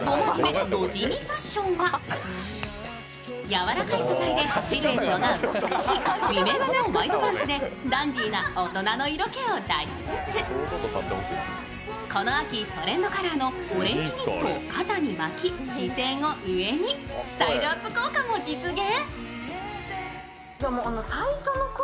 やわらかい素材でシルエットが美しいレディースのワイドパンツでダンディーな大人の色気を出しつつ、この秋、トレンドカラーのオレンジニットを肩に巻き、視線を上に。スタイルアップ効果も実現。